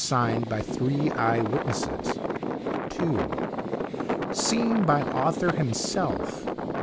signed by three eye witnesses; (2) seen by author himself.